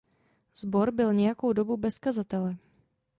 Sbor byl nějakou dobu bez kazatele.